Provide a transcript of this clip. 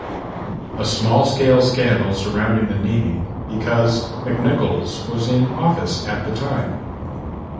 A small-scale scandal surrounded the naming, because McNichols was in office at the time.